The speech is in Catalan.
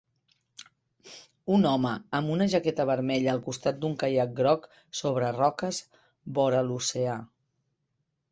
un home amb una jaqueta vermella al costat d'un caiac groc sobre roques vora l'oceà.